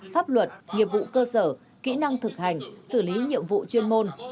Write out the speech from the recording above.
pháp luật nghiệp vụ cơ sở kỹ năng thực hành xử lý nhiệm vụ chuyên môn